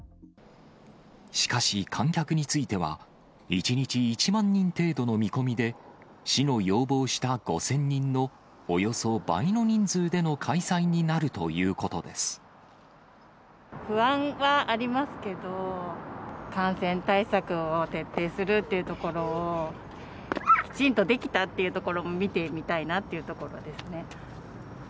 しかし観客については、１日１万人程度の見込みで、市の要望した５０００人のおよそ倍の人数での開催になるというこ不安はありますけど、感染対策を徹底するっていうところを、きちんとできたっていうところも見てみたいなってところですね。